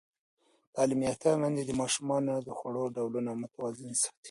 تعلیم یافته میندې د ماشومانو د خوړو ډولونه متوازن ساتي.